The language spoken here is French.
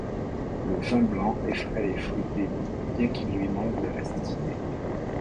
Le vin blanc est frais et fruité bien qu’il lui manque de l'acidité.